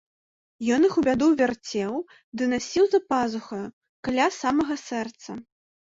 Ён іх у бяду ўвярцеў ды насіў за пазухаю, каля самага сэрца.